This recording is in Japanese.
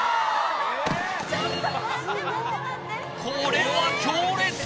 これは強烈！